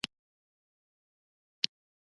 پاچا پښتو ژبې غوړېدو ته پام نه کوي .